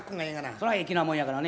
それは粋なもんやからね。